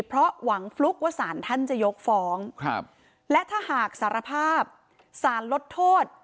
เพราะหวังฟลุ๊กว่าสารท่านจะยกฟ้องและถ้าหากสารภาพสารลดโทษ